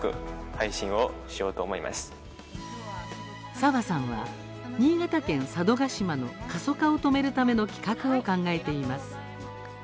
咲花さんは新潟県・佐渡島の過疎化を止めるための企画を考えています。